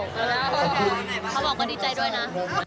เขาบอกว่าดีใจด้วยนะ